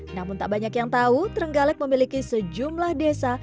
namun tak banyak yang tahu trenggalek memiliki sejumlah desa